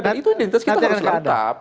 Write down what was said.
dan itu identitas kita harus tetap